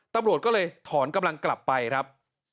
ตำรวจก็เลยถอนกำลังกลับไปครับ